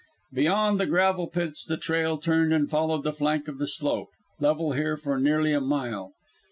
Beyond the gravel pits the trail turned and followed the flank of the slope, level here for nearly a mile.